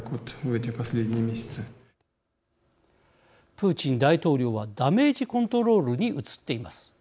プーチン大統領はダメージコントロールに移っています。